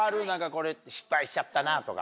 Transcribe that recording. これ失敗しちゃったなとか。